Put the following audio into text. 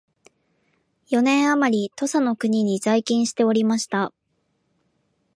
四年あまり土佐の国に在勤しておりました